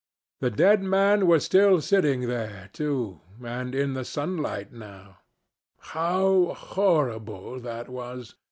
The dead man was still sitting there, too, and in the sunlight now. How horrible that was!